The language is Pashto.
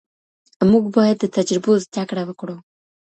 موږ باید د تجربو زده کړه وکړو.